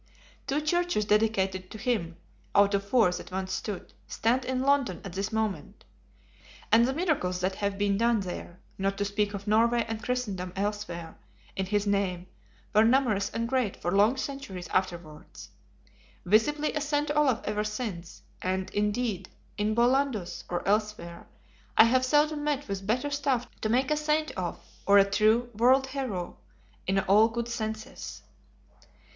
Two churches dedicated to him (out of four that once stood) stand in London at this moment. And the miracles that have been done there, not to speak of Norway and Christendom elsewhere, in his name, were numerous and great for long centuries afterwards. Visibly a Saint Olaf ever since; and, indeed, in Bollandus or elsewhere, I have seldom met with better stuff to make a Saint of, or a true World Hero in all good senses.